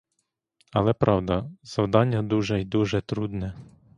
Але, правда, завдання дуже й дуже трудне.